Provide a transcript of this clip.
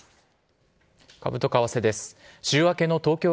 株と為替です。